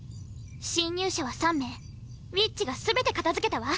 侵入者は３名ウィッチが全て片付けたわ。